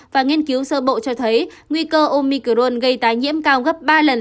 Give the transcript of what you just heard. và nghiên cứu sơ bộ cho thấy nguy cơ omicron gây tái nhiễm cao gấp ba lần